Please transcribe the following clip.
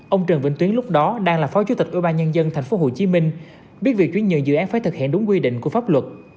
ông trần vĩnh tuyến lúc đó đang là phó chủ tịch ủy ban nhân dân tp hcm biết việc chuyển nhượng dự án phải thực hiện đúng quy định của pháp luật